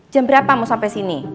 jam berapa mau sampai sini